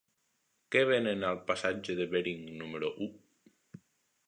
Què venen al passatge de Bering número u?